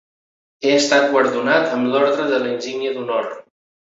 Ha estat guardonat amb l'Orde de la Insígnia d'Honor.